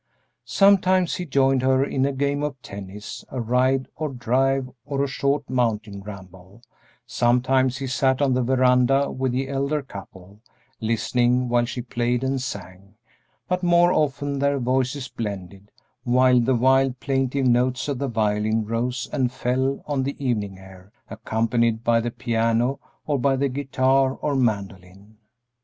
Sometimes he joined her in a game of tennis, a ride or drive or a short mountain ramble; sometimes he sat on the veranda with the elder couple, listening while she played and sang; but more often their voices blended, while the wild, plaintive notes of the violin rose and fell on the evening air accompanied by the piano or by the guitar or mandolin.